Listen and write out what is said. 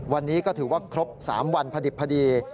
วันนี้ก็ถือว่าครบ๓วันพอดิบพอดี